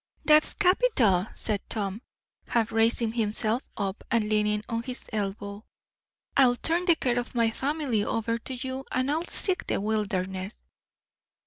"That's capital!" said Tom, half raising himself up and leaning on his elbow. "I'll turn the care of my family over to you, and I'll seek the wilderness."